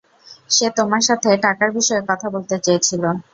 সে তোমার সাথে টাকার বিষয়ে কথা বলতে চেয়েছিল।